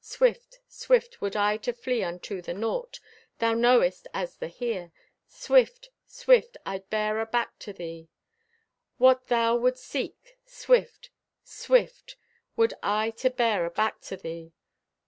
Swift, swift, would I to flee unto the Naught Thou knowest as the Here. Swift, swift I'd bear aback to thee What thou wouldst seek. Swift, swift, Would I to bear aback to thee.